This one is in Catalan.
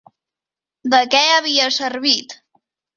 De què havia servit?